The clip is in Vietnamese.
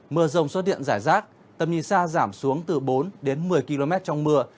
mưa rồng xuất điện giải rác tầm nhìn xa giảm xuống từ bốn đến một mươi km trong mưa